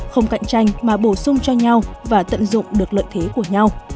không cạnh tranh mà bổ sung cho nhau và tận dụng được lợi thế của nhau